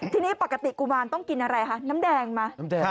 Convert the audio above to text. ที่นี้ปกติกุมารต้องกินอะไรน้ำแดงมา